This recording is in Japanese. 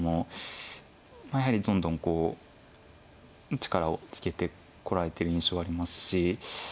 やはりどんどん力をつけてこられてる印象ありますし。